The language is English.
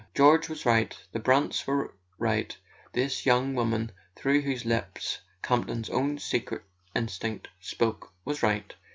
George was right, the Brants were right, this young woman through whose lips Campton's own secret instinct spoke was right.